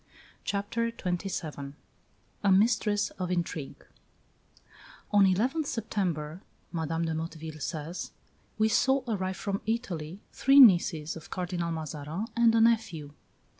CHAPTER XXVII A MISTRESS OF INTRIGUE "On 11th September," Madame de Motteville says, "we saw arrive from Italy three nieces of Cardinal Mazarin and a nephew.